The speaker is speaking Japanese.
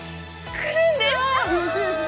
来るんです！